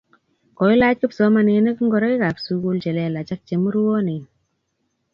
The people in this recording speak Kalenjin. koilach kipsomaninik ngoroikab sukul che lelach ak che murwoni.